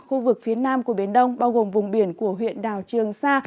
khu vực phía nam của biển đông bao gồm vùng biển của huyện đảo trường sa